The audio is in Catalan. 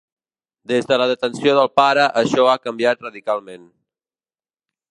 Des de la detenció del pare això ha canviat radicalment.